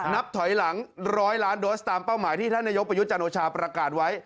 นับถอยหลัง๑๐๐ล้านโดสตามเป้าหมายที่ท่านนายกประยุทธ์จันโอชาประกาศไว้